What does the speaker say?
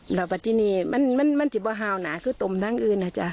หลับมาที่นี่มันมันมันมันจิบว่าฮาวหน้าคือตมทั้งอื่นอะจ้ะ